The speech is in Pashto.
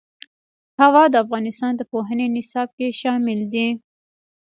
هوا د افغانستان د پوهنې نصاب کې شامل دي.